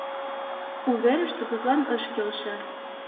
У верыште тудлан ыш келше.